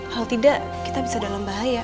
kalau tidak kita bisa dalam bahaya